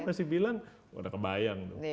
masih bilang udah kebayang